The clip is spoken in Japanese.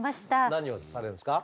何をされるんですか？